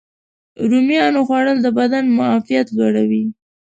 رومیانو خوړل د بدن معافیت لوړوي.